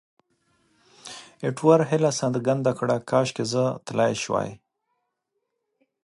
ایټور هیله څرګنده کړه، کاشکې زه تلای شوای.